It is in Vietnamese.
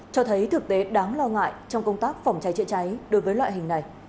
cho thấy thực tế đáng lo ngại trong công tác phòng cháy chữa cháy đối với loại hình này